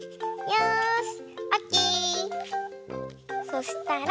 よし！